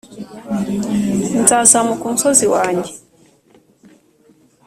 nzazamuka umusozi wanjye